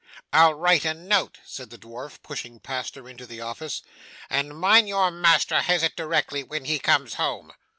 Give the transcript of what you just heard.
'I'll write a note,' said the dwarf, pushing past her into the office; 'and mind your master has it directly he comes home.